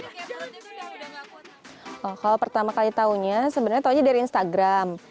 kalau pertama kali taunya sebenarnya taunya dari instagram